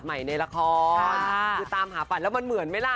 ฮ่าคือตามหาฝันแล้วมันเหมือนมั้ยล้ะ